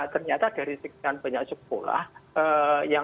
ternyata dari sekian penyaksup pula